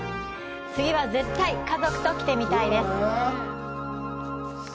次は絶対家族と来てみたいです！